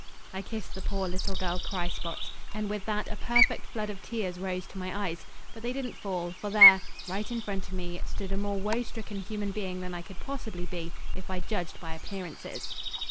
I kissed the poor little girl cry spots; and with that a perfect flood of tears rose to my eyes but they didn't fall, for there, right in front of me, stood a more woe stricken human being than I could possibly be, if I judged by appearances.